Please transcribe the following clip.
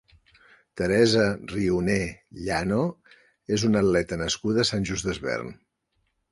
Teresa Rioné Llano és una atleta nascuda a Sant Just Desvern.